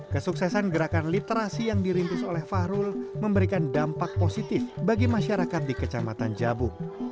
kesuksesan gerakan literasi yang dirintis oleh fahrul memberikan dampak positif bagi masyarakat di kecamatan jabu